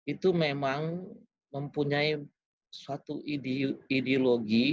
itu memang mempunyai suatu ideologi